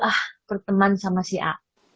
ah berteman sama si a